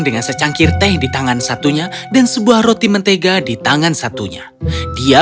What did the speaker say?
dengan secangkir teh di tangan satunya dan sebuah roti mentega di tangan satunya dia